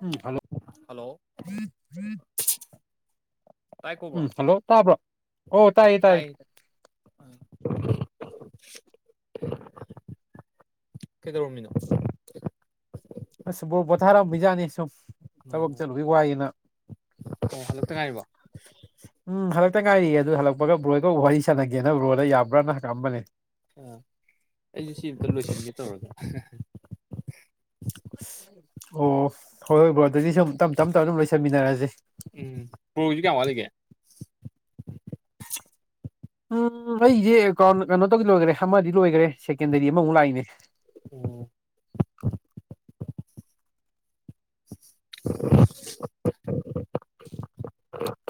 ꯎꯝ ꯐꯂꯣ ꯍꯜꯂꯣ ꯇꯥꯏ ꯀꯣꯕ꯭ꯔꯣ ꯎꯝ ꯍꯜꯂꯣ ꯇꯥꯕ꯭ꯔꯣ ꯑꯣ ꯇꯥꯏꯌꯦ ꯇꯥꯏ [unintelligible] ꯀꯩꯗ ꯎꯃꯤꯅꯣ ꯑꯁꯕꯨꯣꯕꯊꯥꯦ ꯕꯤꯖꯥꯅꯤꯁꯨꯨꯝ ꯊꯕꯛ ꯑꯣ ꯆꯠꯂꯨꯒꯤ ꯋꯥꯏꯅ ꯑꯣ ꯍꯜꯂꯛꯇ ꯉꯥꯏꯔꯤꯕꯣ ꯎꯝ ꯍꯂꯛꯇ ꯉꯥꯏꯔꯤꯌꯦ ꯑꯗꯨ ꯍꯜꯂꯛꯄꯒ ꯕ꯭ꯔꯣꯒ ꯋꯥꯔꯤ ꯁꯥꯟꯅꯒꯦꯅ ꯕꯣꯗ ꯌꯥꯕ꯭ꯔꯥꯅ ꯍꯂꯛꯑꯝꯕꯅꯦ ꯑ ꯑꯩꯁꯦ ꯁꯤ ꯑꯃꯇ ꯂꯣꯏꯁꯤꯟꯒꯦ ꯇꯧꯔꯒ ꯑꯣ ꯍꯣꯏ ꯍꯣꯏ ꯕ꯭ꯔꯣ ꯑꯗꯨꯗꯤ ꯁꯨꯝ ꯇꯞ ꯇꯞ ꯇꯞꯅꯝ ꯂꯣꯏꯁꯟꯃꯤꯟꯅꯔꯁꯤꯦ ꯎꯝ ꯄꯁꯨ ꯀꯌꯥꯋꯥꯜꯂꯤ ꯀꯦ ꯎꯝ ꯑꯩꯁꯦ ꯀꯩꯅꯣ ꯇꯧꯗꯤ ꯂꯣꯏꯈꯔꯦ ꯑꯃꯗꯤ ꯂꯣꯏꯈꯔꯦ ꯁꯦꯀꯦꯟꯗꯔꯤ ꯑꯃꯃꯨꯛ ꯂꯥꯛꯏꯅꯦ ꯎꯝ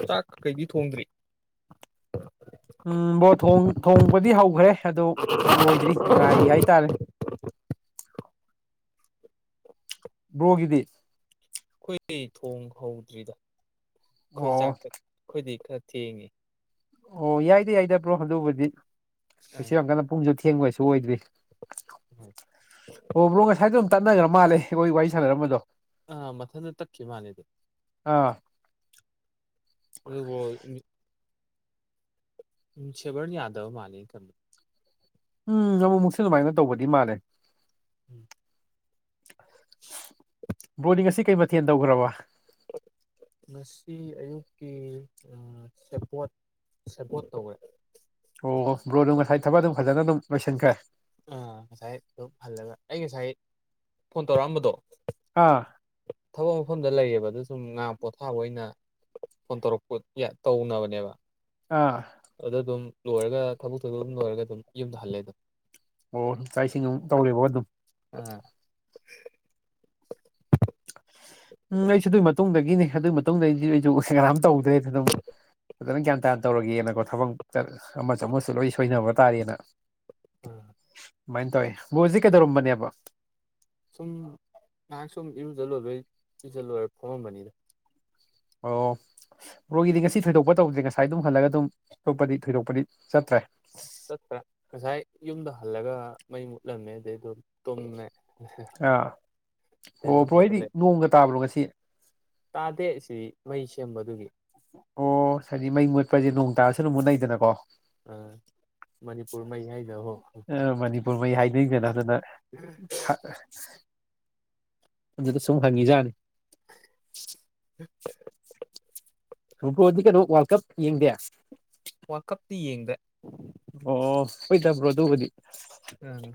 ꯆꯥꯛ ꯀꯩꯗꯤ ꯊꯣꯡꯗ꯭ꯔꯤ ꯎꯝ ꯣ ꯊꯣꯡꯕꯗꯤ ꯍꯧꯈ꯭ꯔꯦ ꯑꯗꯨ ꯂꯣꯏꯗ꯭ꯔꯤ ꯉꯥꯏꯔꯤ ꯍꯥꯏꯇꯥꯔꯦ ꯍꯒꯗꯤ ꯑꯩꯈꯣꯏꯗꯤ ꯊꯣꯡ ꯍꯧꯗ꯭ꯔꯤꯗ ꯑꯩꯈꯣꯏ ꯑꯣ ꯆꯥꯛꯇ ꯑꯩꯈꯣꯏꯗꯤ ꯈꯔ ꯊꯦꯡ ꯑꯣ ꯌꯥꯏꯗꯦ ꯌꯥꯏꯗꯕ꯭ꯔꯣ ꯍꯗꯕꯨꯗꯤ ꯀꯁ ꯑꯥ ꯌꯥꯝ ꯀꯟꯅ ꯄꯨꯡ ꯆꯠ ꯊꯦꯡꯕꯁꯨ ꯑꯣꯏꯗ꯭ꯔꯤ ꯑꯣ ꯃꯔ꯭ꯔꯣ ꯉꯁꯥꯏꯗ ꯑꯗꯨꯝ ꯇꯥꯟꯅꯈ꯭ꯔ ꯃꯥꯜꯂꯦ ꯑꯩꯈꯣꯏ ꯋꯥꯔꯤ ꯁꯥꯟꯅꯔꯝꯕꯗꯣ ꯑꯥ ꯃꯊꯟꯗ ꯇꯛꯈꯤ ꯃꯥꯅꯦꯗ ꯑꯥ ꯑꯗꯨ ꯆꯕꯔ ꯌꯥꯗꯕ ꯃꯥꯅꯤ ꯀꯃꯤ ꯎꯝ ꯑꯃꯨꯛꯃꯨꯛꯁꯨ ꯑꯗꯨꯃꯥꯏꯅ ꯇꯧꯕꯗꯤ ꯃꯥꯜꯂꯦ ꯎꯝ [unintelligible] [unintelligible] ꯕꯣꯂꯤꯡ ꯑꯁꯤ ꯀꯩ ꯃꯊꯦꯜ ꯇꯧꯈ꯭ꯔꯕ ꯉꯁꯤ ꯑꯌꯨꯛꯀꯤ ꯁꯦꯄꯣꯠ ꯁꯦꯄꯣꯔꯠ ꯇꯧꯋꯦ ꯑꯣ ꯕ꯭ꯔꯣꯗꯣ ꯉꯁꯥꯏ ꯊꯕꯛ ꯑꯗꯨꯝ ꯐꯖꯅ ꯑꯗꯨꯝ ꯂꯣꯏꯁꯤꯟꯈ꯭ꯔꯦ ꯑꯥ ꯉꯁꯥꯏ ꯑꯗꯨꯝ ꯍꯜꯂꯒ ꯑꯩ ꯉꯁꯥꯏ ꯐꯣꯟ ꯇꯧꯔꯛꯑꯝꯕꯗꯣ ꯑꯥ ꯊꯕꯛ ꯃꯐꯝꯗ ꯂꯩꯌꯦꯕ ꯑꯗꯨ ꯁꯨꯝ ꯉꯥ ꯄꯣꯊꯥꯕ ꯑꯣꯏꯅ ꯐꯣꯟ ꯇꯧꯔꯛꯄ ꯇꯧꯅꯕꯅꯦꯕ ꯑꯥ ꯑꯗꯨꯗ ꯑꯗꯨꯝ ꯂꯣꯏꯔꯒ ꯊꯕꯛ ꯊꯕꯛ ꯑꯗꯨꯝ ꯂꯣꯏꯔꯒ ꯑꯗꯨꯝ ꯌꯨꯝꯗ ꯍꯜꯂꯦ ꯑꯗꯨꯝ ꯑꯣ ꯆꯥꯛ ꯏꯁꯤꯡ ꯑꯃꯨꯛ ꯇꯧꯔꯦꯕꯣ ꯑꯗꯨꯝ ꯑ ꯎꯝ ꯑꯩꯁꯨ ꯑꯗꯨꯏ ꯃꯇꯨꯡꯗꯒꯤꯅꯦ ꯑꯗꯨꯒꯤ ꯃꯇꯨꯡꯗ ꯑꯩꯁꯨ ꯑꯩꯁꯨ ꯀꯅꯥꯝ ꯇꯧꯗ꯭ꯔꯦ ꯑꯗꯨꯝ ꯐꯖꯅ ꯒ꯭ꯌꯥꯟ ꯇꯥꯌꯥꯟ ꯇꯧꯔꯒꯦꯅꯀꯣ ꯊꯕꯛ ꯑꯃꯁꯨ ꯑꯃꯁꯨ ꯂꯣꯏ ꯁꯣꯏꯅꯕ ꯇꯥꯔꯦꯅ ꯁꯃꯥꯏꯅ ꯇꯧꯋꯤ ꯕꯣꯖꯤ ꯀꯩꯗꯧꯔꯝꯕꯅꯦꯕ ꯁꯨꯝ ꯉꯥꯏꯍꯥꯛ ꯁꯨꯝ ꯏꯔꯨꯖꯜꯂꯣꯏꯕꯩ ꯏꯔꯨꯖꯜ ꯂꯣꯏꯔ ꯐꯣꯡꯃꯝꯕꯅꯤꯗ ꯑꯣ ꯔꯣꯒꯤꯗꯤ ꯉꯁꯤ ꯊꯣꯏꯗꯣꯛꯄ ꯇꯧꯗꯦ ꯉꯁꯥꯏ ꯑꯗꯨꯝ ꯍꯜꯂꯒ ꯑꯗꯨꯝ ꯑꯇꯣꯄꯗꯤ ꯊꯣꯏꯗꯣꯛꯄꯗꯤ ꯆꯠꯇ꯭ꯔꯦ ꯆꯠꯇ꯭ꯔꯥ ꯉꯁꯥꯏ ꯌꯨꯝꯗ ꯍꯜꯂꯒ ꯃꯩ ꯃꯨꯠꯂꯝꯃꯦ ꯑꯗꯨꯗꯩꯗꯝ ꯇꯣꯡꯅ ꯑꯥ ꯑꯣ ꯑꯗꯨꯝ ꯕ꯭ꯔꯣ ꯑꯩꯗꯤ ꯍꯧꯒꯠꯂꯦ ꯅꯣꯡꯒ ꯇꯥꯕ꯭ꯔꯣ ꯉꯁꯤ ꯇꯥꯗꯦ ꯁꯤ ꯃꯩ ꯁꯦꯝꯕꯗꯨꯒꯤ ꯑꯣ ꯍꯥꯏꯗꯤ ꯃꯩ ꯃꯨꯠꯄꯁꯦ ꯅꯣꯡ ꯇꯥꯔꯁꯨꯅ ꯃꯨꯠꯅꯩꯗꯅꯀꯣ ꯑꯥ ꯃꯅꯤꯄꯨꯔ ꯃꯩ ꯍꯥꯏꯗ ꯍꯣ ꯃꯤ ꯀꯅꯗꯅ ꯗ ꯁꯨꯝ ꯍꯪꯉꯖꯅꯤ [unintelligible] ꯩꯅ ꯋꯥꯔꯜ ꯀꯞ ꯌꯦꯡꯗꯦ ꯋꯥꯀꯞꯇꯤ ꯌꯦꯡꯗꯦ ꯑꯣ ꯍꯣꯏꯇꯥꯕ꯭ꯔꯣ ꯑꯗꯨꯕꯨꯗꯤ ꯑꯥ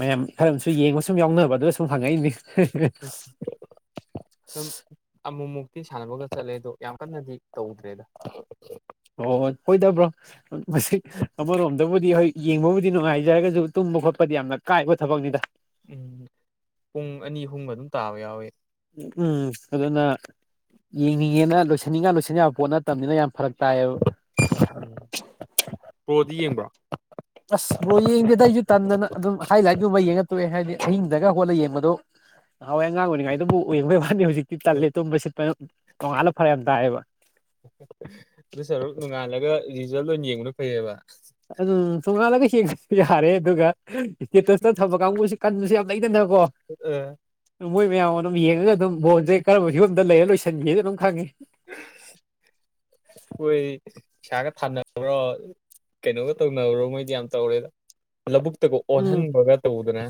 ꯃꯌꯥꯝ ꯈꯔꯨ ꯌꯦꯡꯕ ꯁꯨꯝ ꯌꯥꯎꯅꯕ ꯑꯗꯨ ꯁꯨꯝ ꯍꯪꯉꯛꯏꯅꯦ ꯍ ꯇꯤ ꯁꯥꯟꯅꯕꯒ ꯆꯠꯂꯦ ꯑꯗꯣ ꯌꯥꯝ ꯀꯟꯅꯗꯤ ꯇꯧꯗ꯭ꯔꯦꯗ ꯍꯣꯏ ꯍꯣꯏ ꯑꯣꯏꯣꯏꯗꯕ꯭ꯔꯣ ꯃꯁꯤ ꯑꯃꯔꯣꯝꯗꯕꯨꯗꯤ ꯍꯣꯏ ꯌꯦꯡꯕꯕꯨꯗꯤ ꯅꯨꯡꯉꯥꯏꯖꯔꯒꯁꯨ ꯇꯕ ꯈꯣꯠꯄꯗꯤ ꯌꯥꯝꯅ ꯀꯥꯏꯕ ꯊꯕꯛꯅꯤꯗ ꯎꯝ ꯄꯨꯡ ꯑꯅꯤ ꯑꯍꯨꯝꯒ ꯑꯗꯨꯝ ꯇꯥꯕ ꯌꯥꯎꯋꯤ ꯎꯝ ꯑꯗꯨꯅ ꯌꯦꯡꯅꯤꯡꯉꯦꯅ ꯂꯣꯏꯁꯟꯅꯤꯡꯉ ꯂꯣꯏꯁꯤꯟꯕ ꯄꯣꯠ ꯅꯠꯇꯕꯅꯤꯅ ꯌꯥꯝ ꯐꯔꯛ ꯇꯥꯏꯌꯦꯕ ꯎꯝ ꯄꯣꯗꯤ ꯌꯦꯡꯕ꯭ꯔꯣ ꯑꯁ ꯕ꯭ꯔꯣ ꯌꯦꯡꯗꯦꯗ ꯇꯦ ꯍꯥꯏꯗꯤ ꯑꯍꯤꯡꯗꯒ ꯍꯣꯠꯂ ꯌꯦꯡꯕꯗꯣ ꯍꯍꯋꯥꯣꯏ ꯑꯉꯥꯡ ꯑꯣꯏꯔꯤꯉꯥꯏꯗꯕꯨ ꯌꯦꯡꯕꯩ ꯋꯥꯅꯤ ꯍꯧꯖꯤꯛꯇꯤ ꯇꯜꯂꯦ ꯇꯨꯝꯕ ꯁꯤꯠꯄ ꯇꯣꯡꯉꯥꯂꯅ ꯐꯔꯦ ꯌꯥꯝ ꯇꯥꯏꯑꯦꯕ ꯑꯗꯨ ꯁꯔꯨꯛ ꯅꯣꯡꯉꯥꯜꯂꯒ ꯔꯤꯖꯜ ꯂꯣꯏ ꯌꯦꯡꯕꯅ ꯐꯩꯌꯦꯕ ꯑꯗꯨꯝ ꯇꯣꯉꯥꯜꯂꯒ ꯍꯡꯕꯁꯨ ꯌꯥꯔꯦ ꯑꯗꯨꯒ ꯏꯁꯇꯦꯇꯁꯇ ꯊꯕ ꯀꯥꯡꯕꯨꯁꯨ ꯀ ꯁꯤꯁꯤꯞ ꯂꯏꯦꯟ ꯑ ꯃꯣꯏ ꯃꯌꯥꯝ ꯑꯗꯨꯝ ꯌꯦꯡꯉꯒ ꯑꯗꯨꯝ ꯕꯣꯟꯁꯦ ꯀꯔꯝꯕ ꯐꯤꯕꯝꯗ ꯂꯩꯔ ꯂꯣꯏꯁꯤꯟꯒꯦ ꯑꯗꯨꯝ ꯈꯪꯉꯤ ꯑꯩꯣꯏ ꯏꯁꯩꯁꯥꯒ ꯊꯥꯅꯕ꯭ꯔꯣ ꯀꯩꯅꯣꯒ ꯇꯧꯅꯕ꯭ꯔꯣ ꯃꯣꯏꯗꯤ ꯌꯥꯝ ꯇꯧꯔꯦꯗ ꯂꯧꯕꯨꯛꯇꯒ ꯎꯝ ꯑꯣꯟꯍꯟꯕꯒ ꯇꯧꯗꯅ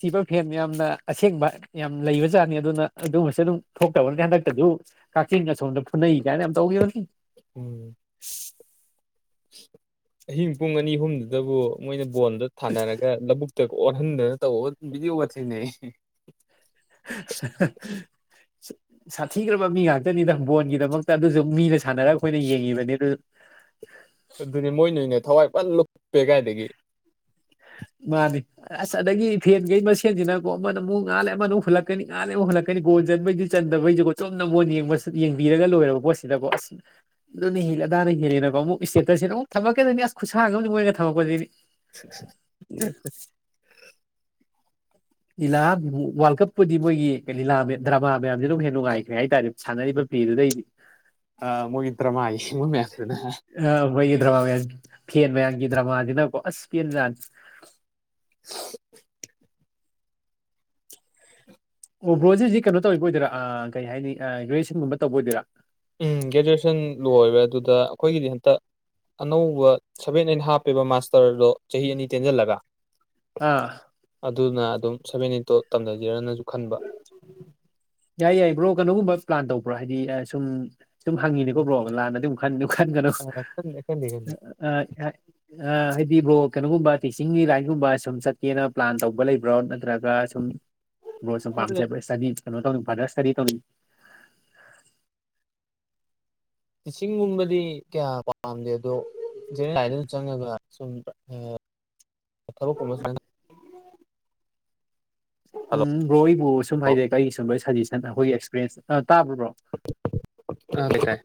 ꯏꯁꯤꯕꯔ ꯐꯦꯟ ꯌꯥꯝꯅ ꯑꯁꯦꯡꯕ ꯌꯥꯝ ꯂꯩꯕꯖꯥꯠꯅꯤ ꯑꯗꯨꯅ ꯑꯗꯨꯒꯝꯕꯁꯨ ꯑꯗꯨꯝ ꯊꯣꯛꯇꯕꯅꯤꯠꯇ ꯍꯟꯗꯛꯇꯁꯨ ꯀꯛꯆꯤꯡ ꯑꯁꯣꯝꯗ ꯐꯨꯅꯩ ꯀꯥꯏꯅ ꯌꯥꯝ ꯇꯧꯈꯤꯕꯅꯤ ꯎꯝ ꯑꯍꯤꯡ ꯄꯨꯡ ꯑꯅꯤ ꯑꯍꯨꯝꯗꯨꯗꯕꯨ ꯃꯣꯏꯅ ꯕꯣꯣꯟꯗ ꯊꯥꯅꯔꯒ ꯂꯧꯕꯨꯛꯇ ꯑꯣ ꯍꯟꯗ ꯇ ꯋꯥꯕ ꯊ ꯅ [unintelligible] ꯁꯥꯊꯤꯈ꯭ꯔꯕ ꯃꯤ ꯉꯥꯛꯇꯅꯤ ꯅꯪ ꯕꯣꯟꯒꯤꯗꯃꯛꯇ ꯑꯗꯨꯁꯨ ꯃꯤꯅ ꯁꯥꯟꯅꯔꯒ ꯑꯩꯈꯣꯏꯅ ꯌꯦꯡꯉꯤꯕꯅꯤ ꯑꯗꯨ ꯑꯗꯨꯅꯦ ꯃꯣꯏ ꯅꯣꯏꯅꯦ ꯊꯋꯥꯏ ꯐ ꯂꯨꯞꯄꯦ ꯀꯥꯏꯗꯒꯤ ꯃꯥꯅꯦ ꯑꯁ ꯑꯗꯒꯤ ꯐꯦꯟꯈꯩ ꯃꯁꯦꯟꯁꯤꯅꯀꯣ ꯑꯃꯅ ꯑꯃꯨꯛ ꯉꯥꯜꯂꯦ ꯑꯃꯨꯛ ꯍꯨꯜꯂꯛꯀꯅꯤ ꯉꯥꯂꯦ ꯑꯃꯨ ꯍꯨꯜꯂꯛꯀꯅꯤ ꯒꯣꯟ ꯆꯟꯕꯩꯗꯨ ꯆꯟꯗꯕꯩꯀꯣ ꯆꯨꯝꯅ ꯃ ꯌꯦꯡꯕꯤꯔꯒ ꯂꯣꯏꯔꯕ ꯄꯣꯠꯁꯤꯗꯀꯣ ꯑꯁ ꯑꯗꯨꯅ ꯍ ꯑꯗꯥ ꯍꯦꯜꯂꯦꯀꯣ ꯑꯃꯨꯛ ꯏꯁꯇꯦꯇꯁꯁꯤꯅ ꯑꯃꯨꯛ ꯊꯛꯀꯗꯅꯤ ꯑꯁ ꯈꯨꯁꯒ ꯑꯃꯗꯤꯝ ꯃꯣꯏꯔ ꯊꯛꯄꯁꯤꯗꯤ [unintelligible] ꯂꯤꯂꯥ ꯋꯥꯔꯜ ꯀꯞꯄꯨꯗꯤ ꯃꯣꯏꯒꯤ ꯂꯤꯂꯥ ꯗ꯭ꯔꯃꯥ ꯃꯌꯥꯝꯁꯦ ꯑꯗꯨꯝ ꯍꯦꯟꯅ ꯅꯨꯡꯉꯥꯏꯈ꯭ꯔꯦ ꯍꯥꯏꯇꯥꯔꯦ ꯁꯥꯟꯅꯔꯤꯕ ꯄꯤꯗꯨꯗꯩꯗꯤ ꯃꯣꯏꯒꯤ ꯗ꯭ꯔꯃꯥ ꯌꯦꯡꯕ ꯃꯌꯥꯝꯗꯨꯅ ꯑꯣꯏꯒꯤ ꯗ꯭ꯔꯃꯥ ꯃ ꯐꯦꯟ ꯃꯌꯥꯝꯒꯤ ꯗ꯭ꯔꯃꯥꯁꯤ ꯅꯀꯣ ꯑꯁ ꯐꯦꯟꯖ ꯍ ꯑꯣ ꯕ꯭ꯔꯣꯖꯤꯔꯁꯤ ꯀꯩꯅꯣ ꯇꯧꯔꯤꯕꯣꯏꯔꯥ ꯀꯩ ꯍꯥꯏꯅꯤ ꯒ꯭ꯔꯦꯖꯨꯋꯦꯁꯟꯒꯨꯝꯕ ꯇꯧꯕ ꯑꯣꯏꯣꯏꯔ ꯎꯝ ꯒ꯭ꯔꯦꯖꯨꯁꯟ ꯂꯣꯏꯔ ꯑꯗꯨꯗ ꯑꯩꯈꯣꯏꯒꯤꯗꯤ ꯍꯟꯛꯇ ꯑꯅꯧꯕ ꯁꯚꯦꯟ ꯑꯟ ꯍꯥꯞꯄꯦꯕ ꯃꯥꯁ ꯗꯣꯛꯇꯔꯗꯣ ꯆꯍꯤ ꯑꯅꯤ ꯇꯦꯟꯁꯤꯜꯂꯒ ꯑꯥ ꯑꯗꯨꯅ ꯑꯗꯨꯝ ꯁꯦꯚꯦꯟ ꯏꯇꯣ ꯇꯝꯅꯖꯦꯔꯅꯁꯨ ꯈꯟꯕ ꯌꯥꯏ ꯌꯥꯏ ꯕ꯭ꯔꯣ ꯀꯩꯅꯣꯒꯨꯝꯕ ꯄ꯭ꯂꯥꯟ ꯇꯧꯕ꯭ꯔꯣ ꯍꯥꯏꯗꯤ ꯁꯨꯝ ꯁꯨꯝ ꯍꯪꯉꯤꯅꯦꯀꯣ ꯕ꯭ꯔꯣ ꯂꯥꯟꯅꯗꯤ ꯑꯃꯨꯛ ꯈꯟ ꯈꯟꯒ ꯅꯨ ꯑ ꯈꯟꯗꯦ ꯈꯟꯗꯦ ꯈꯟꯗꯦ ꯑꯩꯈꯣꯏ ꯕ꯭ꯔꯣ ꯀꯩꯅꯣꯒꯨꯝꯕ ꯇꯤꯆꯤꯡꯒꯤ ꯂꯥꯏꯟꯒꯨꯝꯕ ꯁꯨꯝ ꯆꯠꯀꯦꯅ ꯄ꯭ꯂꯥꯟ ꯇꯧꯕ ꯂꯩꯕ꯭ꯔꯣ ꯅꯠꯇ꯭ꯔꯒ ꯁꯨꯝ ꯕꯣꯠ ꯁꯨꯝ ꯄꯥꯝꯖꯕ ꯁꯅꯤ ꯀꯩꯅꯣ ꯇꯧꯅꯤ ꯐꯥꯗꯔꯁꯇꯥꯗꯤ ꯇꯧꯅꯤꯡ ꯏꯁꯤꯡꯒꯨꯝꯕꯗꯤ ꯀꯌꯥ ꯄꯥꯝꯗꯦ ꯑꯗꯣ ꯂꯥꯏꯗ ꯆꯪꯉꯒ ꯁ ꯊꯥꯕꯥꯛ ꯀꯨꯝꯕꯥ ꯊꯖꯤꯟ ꯎꯝ ꯔꯣꯏꯕꯨ ꯁꯨꯝ ꯍꯥꯏꯗꯤꯔ ꯑꯩꯒꯤ ꯁꯨꯝꯣꯏ ꯁꯖꯦꯁꯟ ꯑꯩꯈꯣꯏꯒꯤ ꯑꯦꯛꯁꯄꯤꯔꯦꯟꯁ ꯇꯥꯕ꯭ꯔꯣ ꯕ꯭ꯔꯣ ꯑꯥꯀꯥꯏ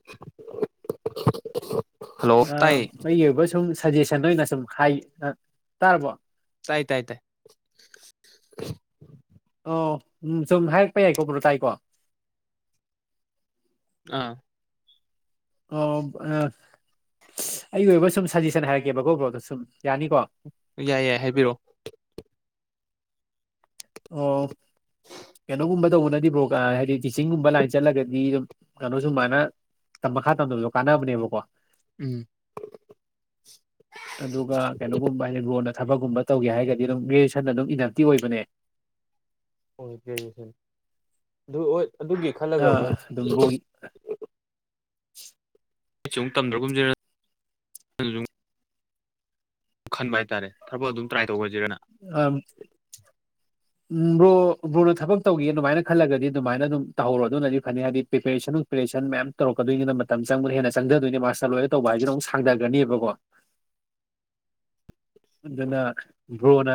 ꯑ ꯑꯩꯒꯤ ꯑꯣꯏꯕ ꯁꯨꯝ ꯁꯖꯦꯁꯟ ꯑꯣꯏꯅ ꯁꯨꯝ ꯍꯥꯏ ꯇꯥꯔꯕꯣ ꯇꯥꯏ ꯇꯥꯏ ꯇꯥꯏ ꯑꯣ ꯎꯝ ꯁꯨꯝ ꯍꯥꯏꯔꯛꯄ ꯌꯥꯏꯀꯣ ꯕꯔꯣ ꯇꯥꯏꯀꯣ ꯑꯥ ꯑꯣ ꯑ ꯑꯩꯒꯤ ꯑꯣꯏꯕ ꯁꯨꯝ ꯁꯖꯦꯁꯟ ꯍꯥꯏꯔꯛꯀꯦ ꯕ꯭ꯔꯣꯗꯣ ꯁꯨꯝ ꯌꯥꯅꯤꯀꯣ ꯌꯥꯏ ꯌꯥꯏ ꯍꯥꯏꯕꯤꯔꯛꯑꯣ ꯑꯣ ꯀꯩꯅꯣꯒꯨꯝꯕ ꯇꯧꯕꯅꯗꯤꯕ꯭ꯔꯣ ꯍꯥꯏꯗꯤ ꯇꯤꯆꯤꯡꯒꯨꯝꯕ ꯂꯥꯏꯟ ꯆꯠꯂꯒꯗꯤ ꯑꯗꯨꯝ ꯀꯩꯅꯣ ꯁꯨꯃꯥꯏꯅ ꯃꯈꯥ ꯇꯝꯗꯕꯗꯣ ꯀꯥꯟꯅꯕꯅꯦꯕꯀꯣ ꯎꯝ ꯑꯗꯨꯒ ꯀꯩꯅꯣꯒꯨꯝꯕ ꯑꯒꯔꯣ ꯊꯕꯛꯀꯨꯝꯕ ꯇꯧꯒꯦ ꯍꯥꯏꯔꯒꯗꯤ ꯑꯗꯨꯝ ꯒ꯭ꯔꯤꯌꯦꯁꯟ ꯑꯗꯨꯝ ꯏꯅꯔꯇꯤ ꯑꯣꯏꯕꯅꯦ ꯁꯟ ꯑꯗꯨ ꯍꯣꯏ ꯑꯗꯨꯒꯤ ꯈꯜꯂꯒ ꯑꯥ ꯑꯃꯨꯛ ꯑꯗꯨꯝ ꯕ꯭ꯔꯣꯒꯤ [unintelligible] ꯑꯩꯁꯨ ꯑꯃꯨꯛ ꯇꯝꯗ꯭ꯔꯒꯨꯝꯖꯔ ꯈꯟꯕ ꯍꯥꯏꯇꯥꯔꯦ ꯊꯕꯛ ꯑꯗꯨꯝ ꯇ꯭ꯔꯥꯏ ꯇꯧꯕ ꯑ ꯎꯝ ꯕ꯭ꯔꯣ ꯕ꯭ꯔꯣꯅ ꯊꯕꯛ ꯇꯧꯒꯦ ꯑꯗꯨꯃꯥꯏꯅ ꯈꯜꯂꯒꯗꯤ ꯑꯗꯨꯃꯥꯏꯅ ꯑꯗꯨꯝ ꯇꯧꯍꯧꯔꯣ ꯑꯗꯨꯅꯗꯤ ꯐꯅꯤ ꯍꯥꯏꯗꯤ ꯄ꯭ꯔꯤꯄꯦꯔꯦꯁꯟ ꯄ꯭ꯔꯤꯄꯦꯔꯦꯁꯟ ꯃꯌꯥꯝ ꯇꯧꯔꯀꯛꯇꯣꯏꯅꯤꯅ ꯃꯇꯝ ꯆꯪꯕꯗ ꯍꯦꯟꯅ ꯆꯪꯊꯗꯣꯏꯅꯦ ꯃꯥꯁꯇꯔ ꯂꯣꯏꯅ ꯇꯧꯕ ꯍꯥꯏꯗꯨꯅ ꯑꯃꯨꯛ ꯁꯥꯡꯊꯒꯅꯦꯕꯀꯣ [unintelligible] ꯑꯗꯨꯅ ꯕ꯭ꯔꯣꯅ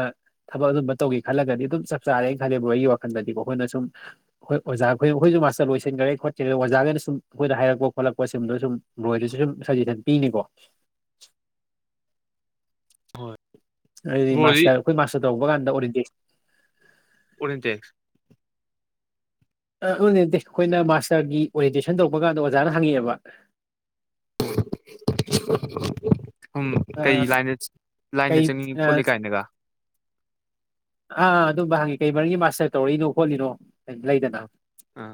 ꯊꯕꯛ ꯑꯗꯨꯝꯕ ꯇꯧꯒꯦ ꯈꯜꯂꯒꯗꯤ ꯑꯗꯨꯝ ꯆꯞ ꯆꯥꯔꯦꯅ ꯈꯜꯂꯦ ꯕ꯭ꯔꯣ ꯑꯩꯒꯤ ꯋꯥꯈꯜꯗꯗꯤꯀꯣ ꯑꯩꯈꯣꯏ ꯁꯨꯝ ꯑꯩꯈꯣꯏ ꯑꯣꯖꯥ ꯑꯩꯈꯣꯏ ꯑꯩꯈꯣꯏꯁꯨ ꯃꯥꯁꯇ ꯂꯣꯏꯁꯤꯟꯈꯔꯦ ꯈꯣꯠꯔꯦ ꯑꯣꯖꯥꯅ ꯁꯨꯝ ꯑꯩꯈꯣꯏꯅ ꯍꯥꯏꯔꯛꯄ ꯈꯣꯠꯂꯛꯄ ꯁꯨꯝ ꯕꯣꯏꯗꯁꯨ ꯁꯨꯝ ꯁꯖꯦꯁꯟ ꯄꯤꯅꯤꯀꯣ [unintelligible] ꯍꯣꯏ ꯑꯩꯗꯤ ꯕ꯭ꯔꯣꯗꯤ ꯃꯥꯁꯇꯔ ꯑꯩꯈꯣꯏ ꯃꯥꯁꯇꯔ ꯇꯧꯕ ꯀꯥꯟꯗ ꯑꯣꯏꯔꯤꯟꯗꯤ ꯑꯣꯟꯇꯦꯛꯁ ꯑꯗꯨꯅꯦ ꯑꯩꯈꯣꯏꯅ ꯃꯥꯁꯇꯔꯒꯤ ꯑꯣꯔꯤꯇꯦꯁꯟ ꯇꯧꯕ ꯀꯥꯟꯗ ꯑꯣꯖꯥꯅ ꯍꯪꯉꯛꯑꯦꯕ ꯎ ꯎꯝ ꯀꯩ ꯂꯥꯏꯗ ꯀꯩ ꯂꯥꯏꯟꯗ ꯆꯪꯉꯤ ꯈꯣꯠꯂꯤ ꯀꯥꯏꯅꯒ ꯑꯥ ꯑꯗꯨꯝꯕ ꯍꯪꯉꯤ ꯀꯩ ꯃꯔꯒꯤ ꯃꯥꯁꯇꯔ ꯇꯧꯔꯛꯏꯅꯣ ꯈꯣꯠꯂꯤꯅꯣ ꯂꯩꯗꯅ ꯑꯥ ꯑꯥ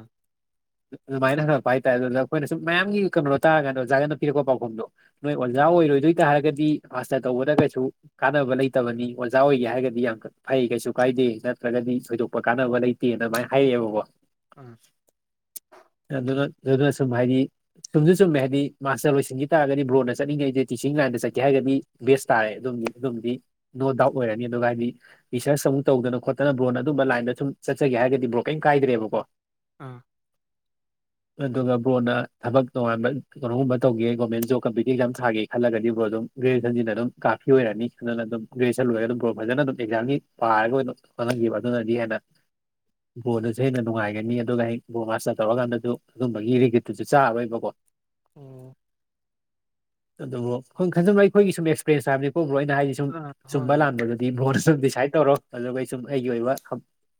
ꯑꯗꯨꯃꯥꯏꯅ ꯍꯪꯉꯛꯄ ꯍꯥꯏꯇꯥꯔꯦ ꯑꯗꯨꯗ ꯑꯩꯈꯣꯏꯅ ꯁꯨꯝ ꯃꯌꯥꯝꯒꯤ ꯀꯩꯅꯣꯗꯣ ꯇꯥꯔ ꯀꯥꯟꯗ ꯑꯣꯖꯥꯅ ꯄꯤꯔꯛꯄ ꯄꯥꯎꯈꯨꯝꯗꯣ ꯅꯣꯏ ꯑꯣꯖꯥ ꯑꯣꯏ ꯏꯔꯣꯏꯗꯣꯏ ꯇꯥꯔꯒꯗꯤ ꯑꯥꯁꯇ ꯇꯧꯕꯗ ꯀꯩꯁꯨ ꯀꯥꯟꯅꯕ ꯂꯩꯇꯕꯅꯤ ꯑꯣꯖꯥ ꯑꯣꯏꯒꯦ ꯍꯥꯏꯔꯒꯗꯤ ꯌꯥꯝ ꯐꯩ ꯀꯩꯁꯨ ꯀꯥꯏꯗꯦ ꯅꯠꯇ꯭ꯔꯒꯗꯤ ꯊꯣꯏꯗꯣꯛꯄ ꯀꯥꯟꯅꯕ ꯂꯩꯇꯦꯅ ꯑꯗꯨꯃꯥꯏꯅ ꯍꯥꯏꯔꯛꯑꯦꯕꯣ ꯑꯥ ꯑꯗꯨꯅ ꯑꯗꯨꯁꯨ ꯍꯥꯏꯥꯏꯅꯤ ꯁꯨꯝꯁꯨ ꯆꯨꯝꯃꯦ ꯍꯥꯏꯗꯤ ꯃꯥꯁꯇꯔ ꯂꯣꯏꯁꯤꯟꯈꯤ ꯇꯥꯔꯒꯗꯤ ꯕ꯭ꯔꯣꯅ ꯆꯠꯅꯤꯡꯉꯩꯗꯤ ꯇꯤꯆꯤꯡ ꯂꯥꯏꯟꯗ ꯆꯠꯀ ꯍꯥꯏꯔꯒꯗꯤ ꯕꯦꯁ ꯇꯥꯔꯦ ꯑꯗꯨꯝ ꯑꯗꯨꯝꯗꯤ ꯅꯣ ꯗꯥꯎꯠ ꯑꯣꯏꯔꯅꯤ ꯑꯗꯨꯒ ꯍꯥꯏꯗꯤ ꯔꯤꯁꯔꯁ ꯑꯃꯨꯛ ꯇꯧꯗꯅ ꯈꯣꯠꯇꯅ ꯕ꯭ꯔꯣꯟ ꯑꯗꯨꯝꯕ ꯂꯥꯏꯟꯗ ꯁꯨꯝ ꯆꯠꯒꯦꯔꯒꯗꯤ ꯕ꯭ꯔꯣ ꯀꯔꯤꯝ ꯀꯥꯏꯗ꯭ꯔꯦꯕꯀꯣ ꯑꯥ ꯑꯗꯨꯒ ꯕ꯭ꯔꯣꯅ ꯊꯕꯛ ꯇꯣꯉꯥꯟꯕ ꯀꯣꯒꯨꯝꯕ ꯇꯧꯒꯦ ꯒꯣꯔꯃꯦꯟ ꯖꯣꯕ ꯀꯝꯄꯤꯨꯇꯤ ꯑꯦꯛꯖꯥ ꯊꯥꯒꯦ ꯈꯜꯂꯒꯗꯤ ꯕ꯭ꯔꯣꯗꯣ ꯑꯗꯨ ꯭ꯔꯦꯖꯟ ꯑꯗꯨꯝ ꯀꯥꯐꯤꯔꯅꯤ ꯑꯗꯨꯅ ꯑꯗꯨꯝ ꯒꯦꯖꯟ ꯂꯔꯒ ꯑꯗꯨ ꯕ ꯐꯖꯅ ꯑꯗꯨꯝ ꯑꯦꯛꯖꯝꯒꯤ ꯄꯥꯔꯒ ꯑꯣꯏꯅ ꯍꯣꯠꯅꯈꯤꯕ ꯑꯗꯨꯅꯗꯤ ꯍꯦꯟꯅ ꯕꯣꯜꯗꯨꯁꯨ ꯍꯦꯟꯅ ꯅꯨꯡꯉꯥꯏꯒꯅꯤ ꯑꯗꯨꯒ ꯍꯦꯛ ꯕꯣꯜ ꯃꯥꯁꯇꯔ ꯇꯧꯔꯀꯥꯟꯗꯁꯨ ꯑꯗꯨꯨꯝꯝꯕꯒꯤ ꯔꯤꯒꯤꯠꯇꯨꯁꯨ ꯆꯥꯔꯔꯣꯏꯕꯀꯣ ꯎꯝ ꯑꯗꯨꯕꯨꯣꯏ ꯈꯟꯖꯕ ꯑꯩꯈꯣꯏꯒꯤ ꯁꯨꯝ ꯑꯦꯛꯁꯄꯤꯔꯦꯟꯁ ꯍꯥꯏꯕꯅꯤꯀꯣ ꯅ ꯍꯥꯏꯗꯤ ꯁꯨꯝ ꯑꯥ ꯆꯨꯝꯕ ꯍꯣꯏ ꯂꯥꯟꯕꯗꯨꯗꯤ ꯚꯣꯔ ꯁ ꯗꯤꯁꯥꯏꯠ ꯇꯧꯔꯣ ꯑꯗꯨꯒ ꯁꯨꯝ ꯑꯩꯒꯤ ꯑꯣꯏꯕ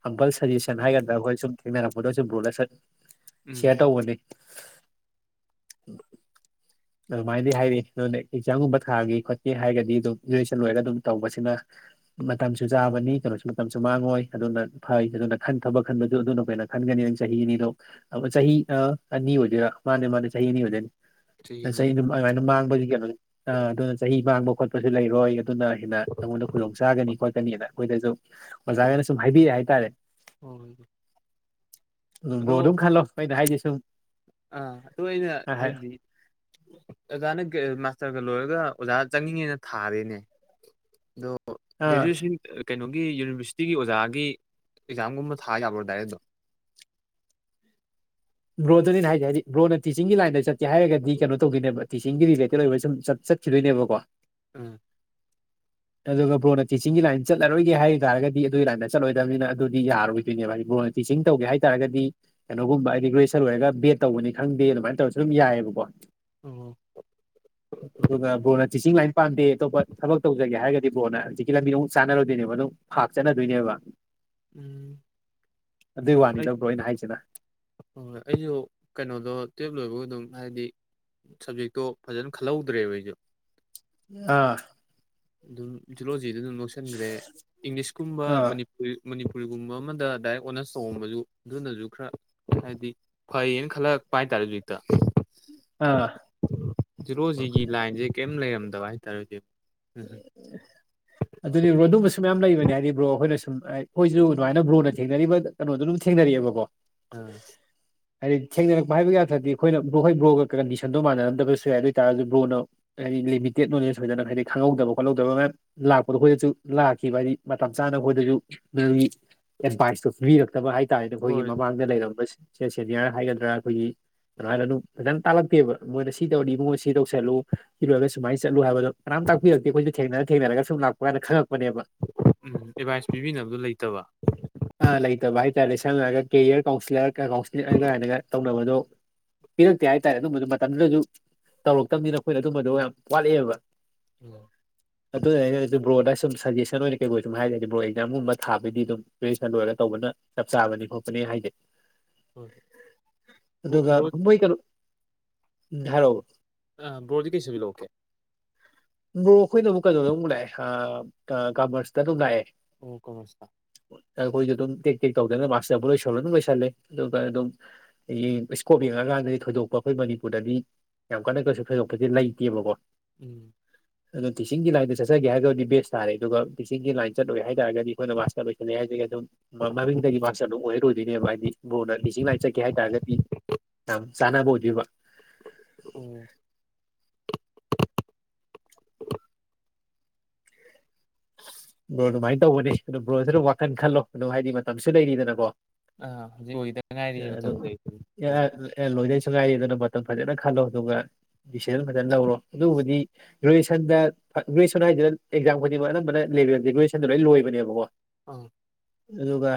ꯍꯝꯄꯜ ꯁꯖꯦꯁꯟ ꯍꯥꯏꯒꯗ꯭ꯔꯥ ꯑꯩꯈꯣꯏ ꯁꯨꯝ ꯊꯦꯡꯅꯔꯛꯄꯗ ꯁꯨꯝ ꯣꯠ ꯎꯝ ꯁꯤꯌꯥ ꯇ ꯍ [unintelligible] ꯎꯝ ꯑꯗꯨꯃꯥꯏꯅꯗꯤ ꯍꯥꯏꯔꯤ ꯑꯗꯨꯅ ꯑꯦꯛꯖꯥꯝꯒꯨꯝꯕ ꯊꯥꯒ ꯈꯣꯠꯀꯦ ꯍꯥꯏꯔꯒꯗꯤ ꯑꯗꯨꯝ ꯒ꯭ꯔꯦꯖꯨꯁꯟ ꯂꯣꯏꯔꯒ ꯑꯗꯨꯝ ꯇꯧꯕꯁꯤꯅ ꯃ ꯁꯨ ꯆꯥꯕꯅꯤ ꯀꯩꯅꯣꯁꯨ ꯃꯇꯝꯁꯨ ꯃꯥꯡꯉꯣꯏ ꯑꯗꯨꯅ ꯐꯩ ꯑꯗꯨꯅ ꯈꯟ ꯊꯕꯛ ꯈꯟꯕꯗꯨ ꯑꯗꯨꯅꯈꯣꯏꯅ ꯈꯟꯒꯅꯤ ꯅꯪ ꯆꯍꯤꯅꯤ ꯆꯍꯤ ꯑꯅꯤ ꯑꯣꯏꯗꯣꯏꯔꯥ ꯃꯥꯅꯦ ꯃꯥꯅꯦ ꯆꯍꯤ ꯑꯅꯤ ꯑꯣꯏꯗꯣꯏꯅꯤ ꯆꯍꯤ ꯑꯗꯨꯃꯥꯏꯅ ꯃꯥꯡꯕꯒꯤ ꯀꯩꯅꯣꯅꯤ ꯑ ꯑꯗꯨꯅ ꯆꯍꯤ ꯃꯥꯡꯕ ꯈꯣꯠꯄꯁꯨ ꯂꯩꯔꯣꯏ ꯑꯗꯨꯅ ꯍꯦꯟꯅ ꯅꯉꯣꯟꯗ ꯈꯨꯗꯣꯡ ꯆꯥꯒꯅꯤ ꯈꯣꯠꯀꯅꯤꯅ ꯑꯩꯈꯣꯏꯗꯁꯨ ꯑꯣꯖꯥꯒꯅ ꯁꯨꯝ ꯍꯥꯏꯕꯤꯔꯑꯦ ꯍꯥꯏꯇꯥꯔꯦ ꯍ ꯍꯣꯏ ꯑꯗꯣ ꯣꯔ ꯈꯥ ꯂꯣ ꯄ ꯊꯥꯏꯗꯁ ꯑꯥ ꯑꯗꯨ ꯑꯩꯅ ꯍꯥꯏꯕꯗꯤ ꯑꯣꯖꯥꯅ ꯃꯥꯁꯇꯔꯒ ꯂꯣꯏꯔꯒ ꯑꯣꯖꯥ ꯆꯪꯅꯤꯡꯉꯦꯅ ꯊꯥꯔꯦꯅꯦ ꯑꯗꯣ ꯭ꯔꯦꯖꯨꯌꯦꯦꯁꯟ ꯀꯩꯅꯣꯒꯤ ꯌꯨꯅꯤꯚꯔꯁꯤꯇꯤꯒꯤ ꯑꯣꯖꯥꯒꯤ ꯑꯦꯛꯖꯥꯝꯒꯨꯝꯕ ꯊꯥ ꯌꯥꯕ꯭ꯔꯣ ꯗꯥꯏꯔꯦ ꯑꯗꯣ ꯕ꯭ꯔꯣꯗꯅꯦ ꯍꯥꯏꯁꯦ ꯍꯥꯏꯗꯤ ꯕ꯭ꯔꯣꯅ ꯇꯤꯆꯤꯡꯒꯤ ꯂꯥꯏꯟꯗ ꯆꯠꯀꯦꯔꯒꯗꯤ ꯀꯩꯅꯣ ꯇꯧꯒꯦꯅꯦꯕ ꯇꯤꯆꯁꯤꯡꯒꯤ ꯔꯤꯂꯦꯇꯦꯠ ꯑꯣꯏꯕ ꯁꯨꯝ ꯆꯠ ꯆꯠꯈꯤꯗꯣꯏꯅꯦꯕꯀꯣ ꯎꯝ ꯑꯗꯨꯒ ꯕ꯭ꯔꯣꯅ ꯇꯤꯆꯤꯡꯒꯤ ꯂꯥꯏꯟ ꯆꯠꯂꯔꯣꯏꯒꯦ ꯍꯥꯏꯕ ꯇꯥꯔꯒꯗꯤ ꯑꯗꯨꯒꯤ ꯂꯥꯏꯟꯗ ꯆꯠꯂꯣꯏꯗꯕꯅꯤꯅ ꯑꯗꯨꯗꯤ ꯌꯥꯔꯣꯏꯗꯣꯏꯅꯦꯕ ꯍꯥꯏꯗꯤ ꯕ꯭ꯔꯣ ꯇꯤꯆ ꯇꯧꯒꯦ ꯍꯥꯏꯇꯥꯔꯒꯗꯤ ꯀꯩꯅꯣꯒꯨꯝꯕ ꯒ꯭ꯔꯦꯁꯟ ꯂꯔꯒ ꯕꯦꯠ ꯇꯧꯕꯅꯤ ꯈꯪꯗꯦ ꯑꯗꯨꯃꯥꯏ ꯇꯧꯔꯁꯨ ꯑꯗꯨ ꯌꯥꯏꯑꯕꯀꯣ ꯑꯣ ꯅꯅ ꯇꯤꯆꯤꯡ ꯂꯥꯏꯟ ꯄꯥꯝꯗꯦ ꯑꯇꯣꯞꯄ ꯊꯕꯛ ꯇꯖꯒꯦ ꯍꯥꯏꯔꯒꯗꯤ ꯕ꯭ꯔꯣꯅ ꯍꯧꯖꯤꯛꯀꯤ ꯂꯝꯕꯤ ꯅꯨꯡꯛ ꯆꯥꯟꯅꯔꯣꯏꯗꯣꯏꯅꯦꯕ ꯑꯗꯨꯪ ꯐꯥꯛ ꯆꯠꯅꯗꯣꯏꯅꯦꯕ ꯎꯝ ꯑꯗꯨꯏ ꯑꯩ ꯋꯥꯅꯤꯗꯧꯕ꯭ꯔꯣ ꯑꯩꯅ ꯍꯥꯏꯁꯤꯗ ꯍꯣꯏ ꯍꯣꯏ ꯑꯩꯁꯨ ꯀꯩꯅꯣꯗꯣ ꯇꯨꯋꯜꯞ ꯂꯣꯏꯕꯒ ꯑꯗꯨꯝ ꯍꯥꯏꯗꯤ ꯁꯞꯖꯦꯛꯇꯣ ꯐꯖꯅ ꯈꯜꯍꯧꯗ꯭ꯔꯦꯕ ꯑꯩꯁꯨꯦ ꯑꯥ ꯑꯗꯨꯝ ꯖꯨꯂꯣꯖꯤꯗ ꯑꯗꯨꯝ ꯂꯧꯁꯤꯟꯈ꯭ꯔꯦ ꯏꯪꯂꯤꯁꯀꯨꯝꯕ ꯑꯥ ꯃꯅꯤꯄꯨꯔꯤ ꯃꯅꯤꯄꯨꯔꯤꯒꯨꯝꯕ ꯑꯃꯗ ꯗꯥꯏꯔꯦꯛ ꯑꯣꯅꯔꯁ ꯇꯧꯉꯝꯕꯁꯨ ꯑꯗꯨꯅꯁꯨ ꯈꯔ ꯍꯥꯏꯗꯤ ꯐꯩꯌꯦꯅ ꯈꯜꯂ ꯄꯥꯏ ꯇꯥꯔꯦꯖꯣꯏꯇ ꯑꯥ ꯖꯤꯔꯣ ꯖꯤꯒꯤ ꯂꯥꯏꯟꯁꯦ ꯀꯔꯤꯝ ꯂꯩꯔꯝꯗꯕ ꯍꯥꯏꯇꯥꯔꯦꯖꯤ ꯎꯝ ꯑꯗꯨꯗꯤ ꯕ꯭ꯔꯣ ꯑꯗꯨꯝꯕꯁꯨ ꯃꯌꯥꯝ ꯂꯩꯕꯅꯦ ꯍꯥꯏꯗꯤ ꯕ꯭ꯔꯣ ꯑꯩꯈꯣꯏꯅ ꯁꯨꯝ ꯑꯩꯈꯣꯏꯁꯨ ꯑꯗꯨꯃꯥꯏꯅ ꯕ꯭ꯔꯣꯅ ꯊꯦꯡꯅꯔꯤꯕ ꯀꯩꯅꯣꯗꯨ ꯑꯗꯨꯝ ꯊꯦꯡꯅꯔꯤꯑꯕꯀꯣ ꯑꯥ ꯍꯥꯏꯗꯤ ꯊꯦꯡꯅꯔꯛꯄ ꯍꯥꯏꯕꯒꯤ ꯌꯥꯗ꯭ꯔꯗꯤ ꯑꯩꯈꯣꯏꯅ ꯭ꯔꯣ ꯍꯣꯏ ꯕ꯭ꯔꯣꯒ ꯀꯟꯗꯤꯁꯟꯗꯣ ꯃꯥꯟꯅꯔꯝꯗꯕꯁꯨ ꯌꯥꯏ ꯑꯗꯨ ꯑꯣꯏꯇꯥꯔꯁꯨ ꯕ꯭ꯔꯣꯅ ꯍꯥꯏꯗꯤ ꯂꯤꯃꯤꯇꯦꯠ ꯅꯣꯂꯦꯖ ꯑꯣꯏꯗꯅ ꯍꯥꯏꯗꯤ ꯈꯪꯍꯧꯗ ꯈꯣꯠꯍꯧꯕ ꯃꯌꯥꯝ ꯂꯥꯛꯄꯗꯣ ꯑꯩꯈꯣꯏꯗꯁꯨ ꯂꯥꯛꯈꯤꯕ ꯍꯥꯏꯗꯤ ꯃꯇꯝ ꯆꯥꯅ ꯑꯩꯈꯣꯏꯗꯁꯨꯒꯤ ꯑꯦꯗꯚꯥꯏꯁꯇꯣ ꯄꯤꯕꯤꯔꯛꯇꯕ ꯍꯥꯏꯇꯥꯥꯔꯦꯅꯦ ꯑꯩꯈꯣꯏꯒꯤ ꯍꯣꯏ ꯃꯃꯥꯡꯗ ꯂꯩꯔꯝꯕ ꯁꯦꯅꯤꯌꯔ ꯍꯥꯏꯒꯗ꯭ꯔꯥ ꯑꯩꯈꯣꯏꯒꯤ ꯑꯗꯨꯃꯥꯏꯅ ꯑꯗꯨꯝ ꯐꯖꯅ ꯇꯥꯜꯂꯛꯇꯦꯕ ꯃꯣꯏꯅ ꯁꯤ ꯇꯧꯔꯤ ꯏꯕꯨꯡꯉꯣ ꯁꯤ ꯇꯧꯁꯤꯜꯂꯨ ꯁꯤ ꯂꯣꯏꯔꯒ ꯁꯨꯃꯥꯏꯅ ꯆꯠꯂꯨ ꯍꯥꯏꯕꯗꯣ ꯀꯅꯥꯝ ꯇꯥꯛꯄꯤꯔꯛꯇꯦ ꯑꯩꯈꯁꯨ ꯊꯦꯡꯅ ꯊꯦꯡꯅꯔꯒ ꯁꯨꯝ ꯂꯥꯛꯄꯥꯟꯗ ꯈꯪꯉꯄ ꯅꯦꯕ ꯎꯝ ꯑꯦꯗꯚꯥꯏꯁ ꯄꯤꯕꯤꯅꯕꯗꯣ ꯂꯩꯇꯕ ꯑ ꯂꯇꯥꯕ ꯏꯁꯇꯥꯏꯂꯤꯁ ꯁꯝꯅꯔꯒ ꯀꯦꯔꯤꯌꯔ ꯀꯥꯎꯟꯁꯤꯂꯔ ꯀꯥꯎꯟꯁꯤ ꯀꯥꯏꯅꯒ ꯇꯧꯅꯕꯗꯣ ꯄꯤꯔꯛꯇꯦ ꯍꯥꯏꯇꯥꯔꯦ ꯑꯗꯨꯝꯕꯗꯨ ꯃꯇꯝꯗꯨꯗꯁꯨ ꯇꯧꯔꯛꯇꯕꯅꯤꯅ ꯑꯩꯈꯣꯏꯅ ꯑꯗꯨꯝꯕꯗꯣ ꯌꯥꯝ ꯋꯥꯠꯂꯛꯑꯦꯕ.... ꯎꯝ ꯑ ꯑꯗꯨꯣ ꯍꯥꯏꯒ ꯕꯣꯔꯗ ꯁꯨꯝ ꯁꯖꯦꯁꯟ ꯑꯣꯏꯅ ꯀ ꯁꯨꯝ ꯍꯥꯏꯔꯒꯦ ꯕꯣꯔ ꯑꯦꯖꯥꯝꯒꯨꯝꯕ ꯊꯥꯕꯗꯤ ꯑꯗꯨꯝ ꯇꯁꯟ ꯂꯣꯏꯔꯒ ꯇꯧꯕꯅ ꯆꯞ ꯆꯥꯕ ꯅꯤ ꯈꯣꯄꯅꯦ ꯍꯥꯏꯗ ꯍꯣꯏ ꯕ꯭ꯔꯣ ꯑꯗꯨꯒꯣꯏ ꯀꯩꯅꯣ ꯙꯔꯑꯣ ꯑ ꯕ꯭ꯔꯣꯗꯤ ꯀꯩꯁꯨꯕꯤ ꯂꯣ ꯑꯣꯀꯦ ꯃ꯭ꯔꯣ ꯑꯩꯈꯣꯏꯅ ꯑꯃꯨꯛ ꯀꯩꯅꯣꯗ ꯑꯃꯨꯛ ꯂꯥꯛꯑꯦ ꯀꯃꯔꯁꯇ ꯑꯗꯨꯝ ꯂꯥꯛꯑꯦ ꯑꯣ ꯀꯁ ꯑꯩꯈꯣꯏꯁꯨ ꯑꯗꯨꯝ ꯇꯦꯛ ꯇꯦꯛ ꯇꯧꯗꯅ ꯃꯥꯁꯇꯕꯨ ꯂꯣꯏꯁꯜꯂ ꯑꯗꯨꯝ ꯂꯣꯏꯁꯜꯂꯦ ꯑꯗꯨꯒ ꯑꯗꯨꯝ ꯑꯩꯡ ꯏꯁꯀꯣ ꯑꯉꯥꯡꯗꯗꯤ ꯊꯣꯏꯗꯣꯛꯄ ꯑꯩꯈꯣꯏ ꯃꯅꯤꯄꯨꯔꯗꯗꯤ ꯌꯥꯝ ꯀꯟꯅ ꯀꯩꯁꯨ ꯊꯣꯏꯗꯣꯛꯄꯁꯦ ꯂꯩꯇꯦꯕꯀꯣ ꯎꯝ ꯑꯗꯨꯣ ꯇꯤꯆꯁꯤꯡꯒꯤꯒꯤ ꯂꯥꯏꯟꯗ ꯆꯠꯆꯒꯦ ꯍꯥꯏꯔꯕꯗꯤ ꯕꯦꯁ ꯇꯥꯔꯦ ꯑꯗꯨꯒ ꯇꯤꯆꯁꯤꯡꯒꯤꯒꯤ ꯂꯥꯏꯟ ꯆꯠꯂꯣꯏ ꯍꯥꯏꯦ ꯍꯥꯏꯇꯥꯔꯒꯗꯤ ꯑꯩꯈꯣꯏꯅ ꯃꯥꯁꯇꯔ ꯂꯣꯏꯁꯜꯂꯦ ꯍꯥꯏꯗꯤ ꯑꯗꯨꯝ ꯃꯃꯤꯡꯗꯒꯤ ꯃꯥꯁꯇꯔ ꯑꯗꯨꯝ ꯑꯣꯏꯔꯣꯏꯗꯣꯏꯅꯦꯕ ꯍꯥꯏꯗꯤ ꯕꯣꯔꯅ ꯂꯤꯁꯤꯡ ꯂꯥꯏ ꯆꯠ ꯀ ꯍꯥꯏꯇꯥꯔꯒꯗꯤ ꯌꯥꯝ ꯆꯥꯅꯕ ꯑꯣꯏꯗꯣꯏꯕ ꯑꯣ ꯕ꯭ꯔꯣ ꯑꯗꯨꯃꯥꯏꯅ ꯇꯧꯕꯅꯤ ꯑꯗꯨꯣ ꯕ꯭ꯔꯣꯁꯨ ꯑꯗꯨꯝ ꯋꯥꯈꯟ ꯈꯜꯂꯣ ꯑꯗꯨꯣ ꯍꯥꯏꯗꯤ ꯃꯇꯝꯁꯨ ꯂꯩꯔꯤꯗꯅꯀꯣ ꯑ ꯍꯧꯖꯤꯛ ꯑꯣꯏꯗꯅ ꯉꯥꯏꯔꯤ ꯃꯇꯝ ꯁꯉꯥꯏꯔꯤꯦ ꯑꯗꯨꯅ ꯃꯇꯝ ꯐꯖꯅ ꯈꯜꯂꯣ ꯑꯗꯨꯒ ꯗꯤꯁꯤꯖꯟ ꯐꯖꯅ ꯂꯧꯔꯣ ꯑꯗꯨꯕꯨꯗꯤ ꯒ꯭ꯔꯦꯖꯨꯌꯦꯁꯟꯗ ꯒꯦꯖꯨꯋꯁꯟ ꯍꯥꯏꯁꯤꯅ ꯑꯦꯛꯥꯝ ꯈꯨꯗꯤꯡꯃꯛ ꯑꯅꯝꯕ ꯂꯦꯦꯜꯦ ꯒꯦꯖꯨꯌꯦꯁꯟꯗ ꯂꯣꯏꯕꯅꯦꯕꯣ ꯏꯪ ꯑꯗꯨꯒꯥ